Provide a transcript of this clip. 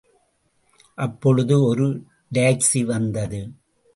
அப்பொழுது ஒரு டாக்சிவந்தது.